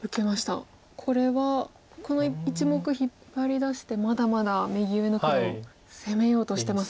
これはこの１目引っ張り出してまだまだ右上の黒を攻めようとしてますか？